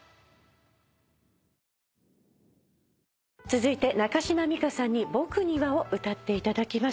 続いて中島美嘉さんに『僕には』を歌っていただきます。